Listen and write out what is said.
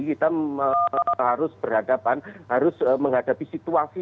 kita harus berhadapan harus menghadapi situasi